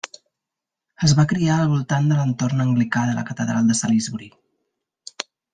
Es va criar al voltant de l'entorn anglicà de la catedral de Salisbury.